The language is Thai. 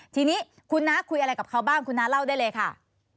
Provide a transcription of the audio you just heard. ทีนี้คุณน้าคุยอะไรกับเขาบ้างคุณน้าเล่าได้เลยค่ะ